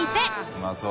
うまそう。